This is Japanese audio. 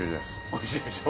おいしいでしょ。